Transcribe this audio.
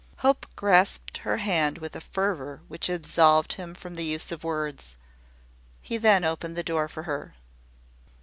Hope grasped her hand with a fervour which absolved him from the use of words. He then opened the door for her.